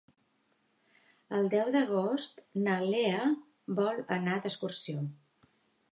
El deu d'agost na Lea vol anar d'excursió.